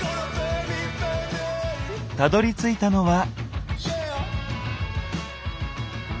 たどりついたのは。